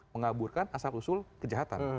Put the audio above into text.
mengaburkan asal usul kejahatan